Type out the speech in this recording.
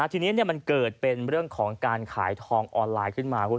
ทีนี้มันเกิดเป็นเรื่องของการขายทองออนไลน์ขึ้นมา